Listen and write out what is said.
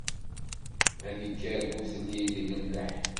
Ad ikker butlil di lemleḥ.